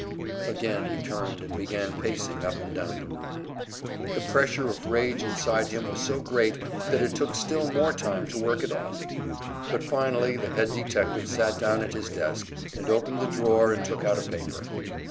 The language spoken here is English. Again he turned and began pacing up and down the room. The pressure of rage inside him was so great that it took still more time to work it off. But finally the head detective sat down at his desk, and opened the drawer and took out a paper.